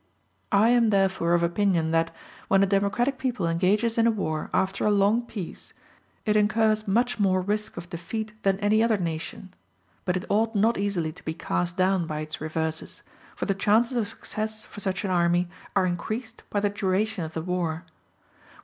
I am therefore of opinion that, when a democratic people engages in a war after a long peace, it incurs much more risk of defeat than any other nation; but it ought not easily to be cast down by its reverses, for the chances of success for such an army are increased by the duration of the war.